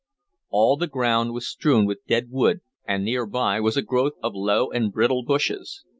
All the ground was strewn with dead wood, and near by was a growth of low and brittle bushes.